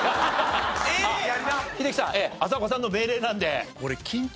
英樹さん浅丘さんの命令なんで。